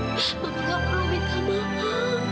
mama tidak perlu minta mama